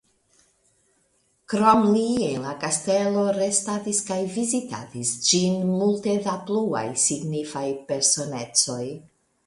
Krom li en la kastelo restadis kaj vizitadis ĝin multe da pluaj signifaj personecoj.